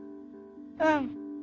うん。